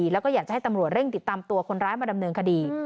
แล้วก็อยากจะให้ตำรวจเร่งติดตามตัวคนร้ายมาดำเนินคดี